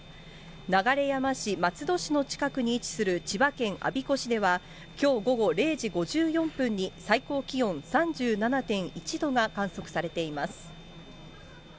流山市、松戸市の近くに位置する千葉県我孫子市では、きょう午後０時５４分に最高気温３７．１度が観測されています。